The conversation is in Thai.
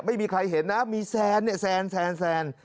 ไม่มีใครเห็นนะมีแซนเนี่ยแซน